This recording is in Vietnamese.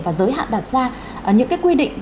và giới hạn đặt ra những cái quy định